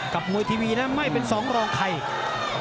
กับมวยทีวีนะไม่เป็น๒รองใคร